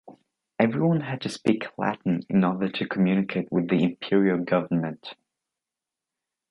Everyone had to speak Latin in order to communicate with the imperial government.